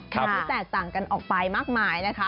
คุณแทนสั่งกันออกไปมากมายนะคะ